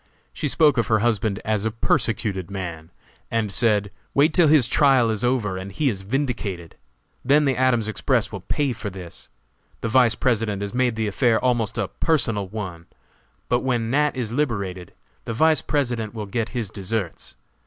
She spoke of her husband as a persecuted man, and said: "Wait till his trial is over and he is vindicated! Then the Adams Express will pay for this. The Vice President has made the affair almost a personal one, but when Nat. is liberated the Vice President will get his deserts.